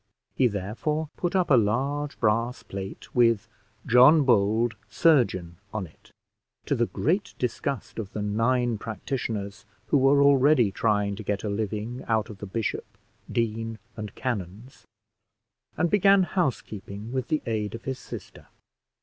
He therefore put up a large brass plate with "John Bold, Surgeon" on it, to the great disgust of the nine practitioners who were already trying to get a living out of the bishop, dean, and canons; and began house keeping with the aid of his sister.